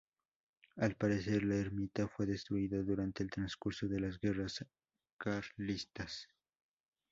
Al parecer la ermita fue destruida durante el transcurso de las guerras carlistas.